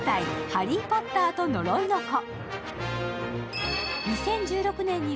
「ハリー・ポッターと呪いの子」